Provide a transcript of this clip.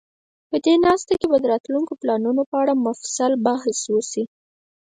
دې ناسته کې به د راتلونکو پلانونو په اړه مفصل بحث وشي.